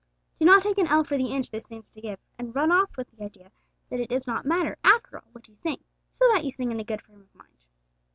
Do not take an ell for the inch this seems to give, and run off with the idea that it does not matter after all what you sing, so that you sing in a good frame of mind!